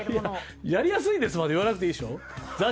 「やりやすいです」まで言わなくていいでしょ。